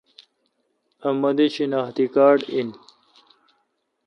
اؘ مہ دی شناختی کارڈ این۔